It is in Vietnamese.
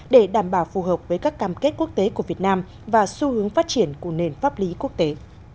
để đảm bảo phù hợp với các cam kết quốc tế của việt nam và xu hướng phát triển của nền pháp lý quốc tế